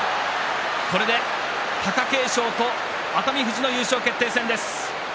これで貴景勝と熱海富士の優勝決定戦です。